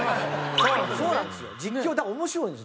そうなんですよ。